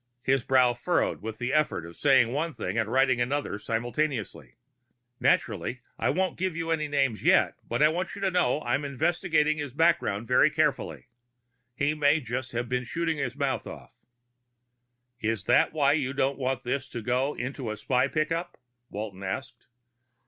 His brow furrowed with the effort of saying one thing and writing another simultaneously. "Naturally, I won't give you any names yet, but I want you to know I'm investigating his background very carefully. He may just have been shooting his mouth off." "Is that why you didn't want this to go into a spy pickup?" Walton asked.